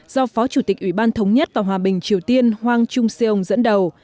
do phó chủ tịch ủy ban thống nhất và hòa bình triều tiên hwang chung seong dẫn đầu